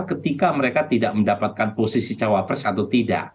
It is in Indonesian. ketika mereka tidak mendapatkan posisi cawapres atau tidak